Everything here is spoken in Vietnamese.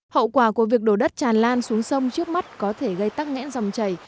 hậu quả của việc đổ đất tràn lan xuống sông trước mắt có thể gây tắc nghẽn dòng chảy